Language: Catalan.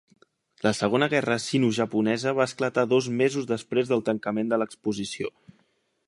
La Segona Guerra Sinojaponesa va esclatar dos mesos després del tancament de l'Exposició.